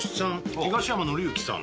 東山紀之さん